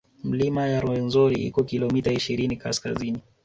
Milima ya Rwenzori iko kilomita ishirini kaskazini